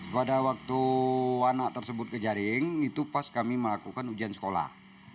pada waktu anak tersebut kejaring itu pas kami melakukan ujian sekolah